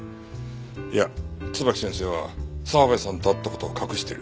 いや椿木先生は澤部さんと会った事を隠してる。